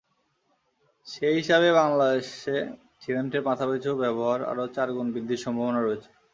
সেই হিসাবে বাংলাদেশে সিমেন্টের মাথাপিছু ব্যবহার আরও চার গুণ বৃদ্ধির সম্ভাবনা রয়েছে।